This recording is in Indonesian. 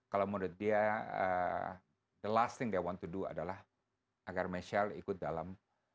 kalau menurut dia the last thing they want to do adalah agar michelle ikut dalam